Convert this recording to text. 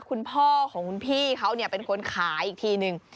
คุณพ่อของคุณพี่เขาเป็นคนขายอีกทีนึง